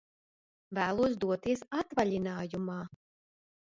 Vēlos doties atvaļinājumā!